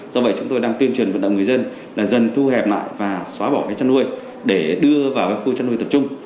do vậy chúng tôi đang tuyên truyền vận động người dân là dần thu hẹp lại và xóa bỏ cái chăn nuôi để đưa vào khu chăn nuôi tập trung